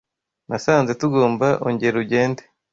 Nasanze tugomba ongera ugende